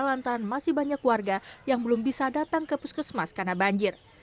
lantaran masih banyak warga yang belum bisa datang ke puskesmas karena banjir